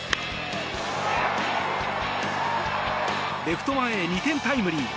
レフト前へ２点タイムリー。